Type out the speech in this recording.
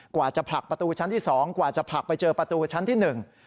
กว่าจะผลักประตูชั้นที่สองกว่าจะผลักไปเจอประตูชั้นที่หนึ่ง